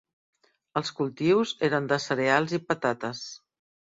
Els cultius eren de cereals i patates.